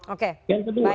oke baik baik